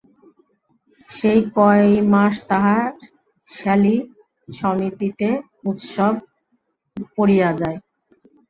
সেই কয় মাস তাঁহার শ্যালী-সমিতিতে উৎসব পড়িয়া যায়।